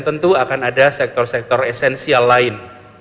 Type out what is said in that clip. tentu akan ada sektor sektor esensial lain